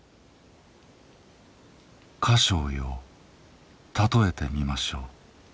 迦葉よ譬えてみましょう。